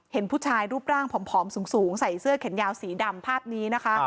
เห็นผู้ชายรูปร่างผอมสูงใส่เสื้อแขนยาวสีดำภาพนี้นะคะ